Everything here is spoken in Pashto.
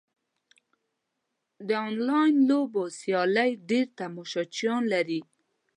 د انلاین لوبو سیالۍ ډېر تماشچیان لري.